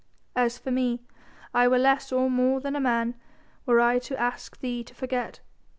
As for me I were less or more than a man were I to ask thee to forget.